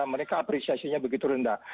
mereka apresiasinya begitu rendah